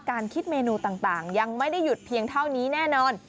การคิดเมนูต่างยังไม่ได้หยุดเพียงเท่านี้แน่นอน